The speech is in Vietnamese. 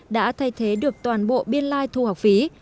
đã thay thế được toàn bộ biên lai thu học phí